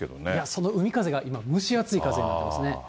その海風が今、蒸し暑い風なんですね。